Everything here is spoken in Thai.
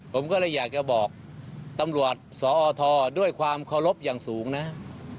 ผมก็เลยอยากจะบอกตำรวจสอทด้วยความเคารพอย่างสูงนะ